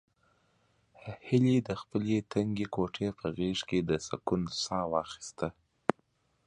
هیلې د خپلې تنګې کوټې په غېږ کې د سکون ساه واخیسته.